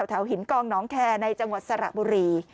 หินกองน้องแคร์ในจังหวัดสระบุรี